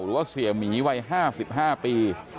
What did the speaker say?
หรือว่าเสียหมีวัย๕๕ปี